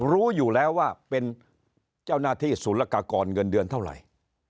รู้อยู่แล้วว่าเป็นเจ้าหน้าที่ศูนย์ละกากรเงินเดือนเท่าไหร่